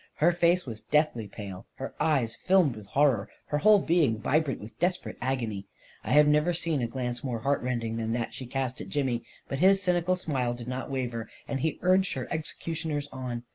Her face was deathly pale, her eyes filmed with horror, her whole being vibrant with desperate agony. I have never seen a glance more heartrending than that she cast at Jimmy ; but his cynical smile did not waver and he urged her executioners on.